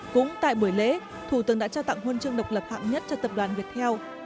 cũng tại buổi lễ thủ tướng đã trao tặng huân chương độc lập hạng nhất cho tập đoàn việt heo